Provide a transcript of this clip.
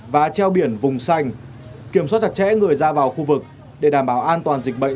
và treo biển vùng xanh kiểm soát chặt chẽ người ra vào khu vực để đảm bảo an toàn dịch bệnh